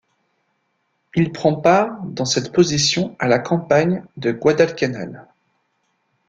Il prend part dans cette position à la campagne de Guadalcanal.